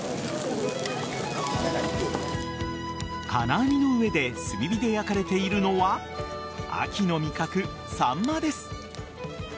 金網の上で炭火で焼かれているのは秋の味覚・サンマです。